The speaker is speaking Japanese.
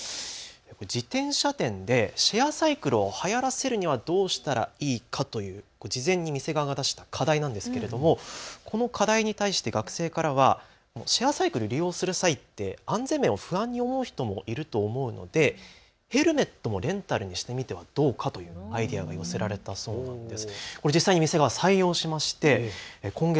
自転車店でシェアサイクルをはやらせるにはどうしたらいいかという事前に店側が出した課題なんですがこの課題に対して学生からはシェアサイクル利用する際って安全面を不安に思う人もいるので、ヘルメットもレンタルしてみたらどうかというアイデアが寄せられたそうなんです。